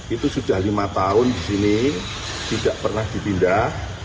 itu sudah lima tahun di sini tidak pernah dipindah